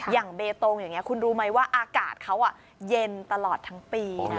อย่างเบตงอย่างนี้คุณรู้ไหมว่าอากาศเขาเย็นตลอดทั้งปีนะ